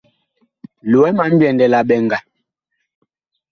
Loɛ ma mbyɛndɛ la eɓɛŋga.